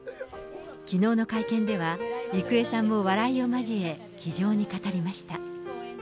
きのうの会見では、郁恵さんも笑いを交え、気丈に語りました。